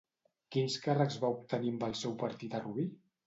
Quins càrrecs va obtenir amb el seu partit a Rubí?